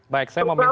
baik saya meminta